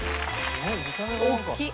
大きい！